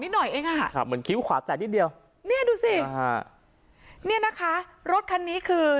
เหมือนคิ้วขวาแต่นิดเดียวเนี่ยดูสิอ่าเนี่ยนะคะรถคันนี้คือ